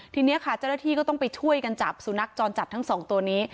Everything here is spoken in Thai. ทีนี้ค่ะเจ้าหน้าที่ก็ต้องไปช่วยกันจับสุนัขจรจัดทั้งสองตัวนี้